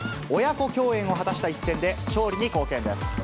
親子共演を果たした一戦で勝利に貢献です。